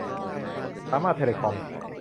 สามารถเทลคอม